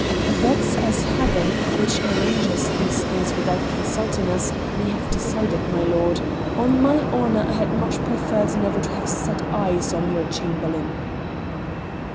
"That's as Heaven, which arranges these things without consulting us, may have decided, my lord; on my honour, I had much preferred never to have set eyes on your Chamberlain."